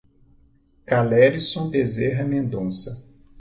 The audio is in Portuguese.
Calerison Bezerra Mendonca